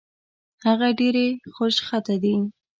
هغه ډېرې خوشخطه دي